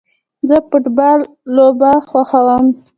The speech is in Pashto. زه فټبال لوبه خوښوم